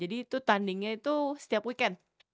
jadi itu tandingnya itu setiap weekend